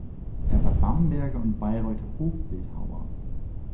Er war Bamberger und Bayreuther Hofbildhauer.